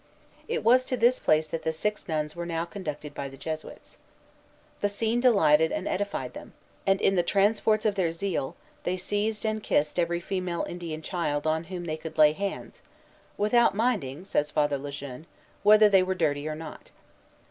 It was to this place that the six nuns were now conducted by the Jesuits. The scene delighted and edified them; and, in the transports of their zeal, they seized and kissed every female Indian child on whom they could lay hands, "without minding," says Father Le Jeune, "whether they were dirty or not."